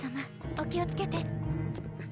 お気を付けて。